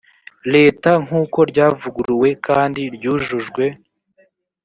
leta nk uko ryavuguruwe kandi ryujujwe